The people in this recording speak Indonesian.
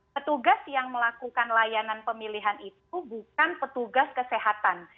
petugas yang melakukan layanan pemilihan itu bukan petugas kesehatan